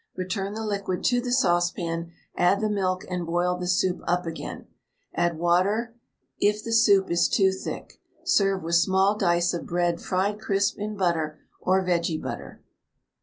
Return the liquid to the saucepan, add the milk and boil the soup up again. Add water it the soup is too thick. Serve with small dice of bread fried crisp in butter or vege butter.